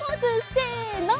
せの。